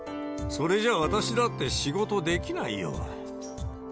それじゃ私だって仕事できないよ。